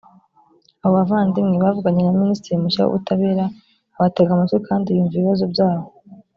abo bavandimwe bavuganye na minisitiri mushya w ubutabera abatega amatwi kandi yumva ibibazo byabo